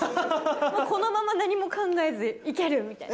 もうこのまま何も考えずいける！みたいな。